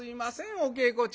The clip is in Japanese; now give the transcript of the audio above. お稽古中。